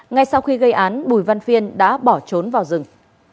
ngay sau khi gây án bùi văn phiên đã bỏ trốn vào rừng